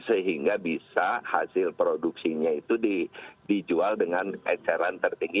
sehingga bisa hasil produksinya itu dijual dengan eceran tertinggi